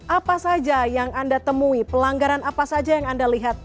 apa saja yang anda temui pelanggaran apa saja yang anda lihat